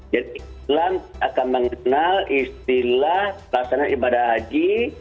jadi islam akan mengenal istilah pelaksanaan ibadah haji